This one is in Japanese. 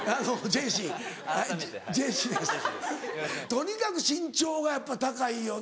とにかく身長がやっぱ高いよな。